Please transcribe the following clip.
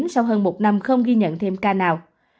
sau hơn một năm không ghi nhận thêm ca nào